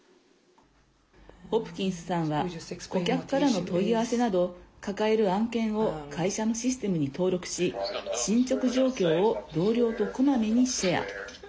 ホプキンスさんは顧客からの問い合わせなど抱える案件を会社のシステムに登録し進捗状況を同僚とこまめにシェア。